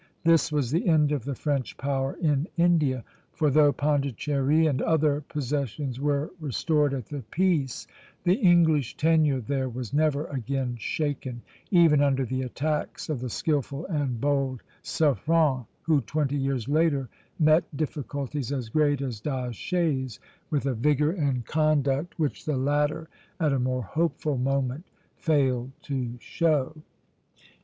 This was the end of the French power in India; for though Pondicherry and other possessions were restored at the peace, the English tenure there was never again shaken, even under the attacks of the skilful and bold Suffren, who twenty years later met difficulties as great as D'Aché's with a vigor and conduct which the latter at a more hopeful moment failed to show.